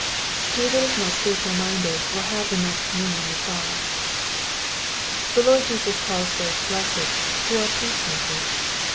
He that is most spiritual minded will have most communion with God. The Lord Jesus calls those blessed, who are peaces makers.